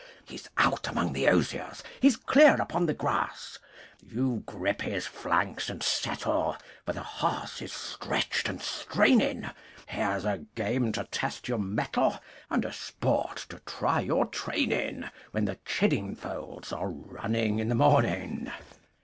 He's out among the oziers He's clear upon the grass. You grip his flanks and settle, For the horse is stretched and straining, Here's a game to test your mettle, And a sport to try your training, When the Chiddingfolds are running in the morning.